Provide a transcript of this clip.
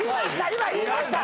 今言いました！